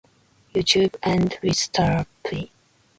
YouTube and Wrzuta.pl.